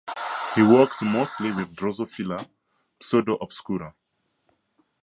He worked mostly with "Drosophila pseudoobscura".